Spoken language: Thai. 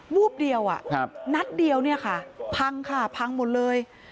วูบเดียวนัดเดียวเนี่ยค่ะพังค่ะพังหมดเลย